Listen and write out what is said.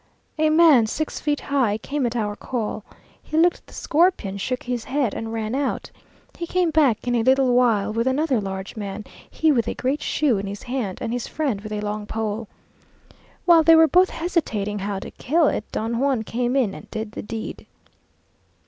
A man six feet high came at our call. He looked at the scorpion, shook his head, and ran out. He came back in a little while with another large man, he with a great shoe in his hand, and his friend with a long pole. While they were both hesitating how to kill it, Don Juan came in, and did the deed.